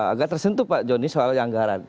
agak tersentuh pak joni soal anggaran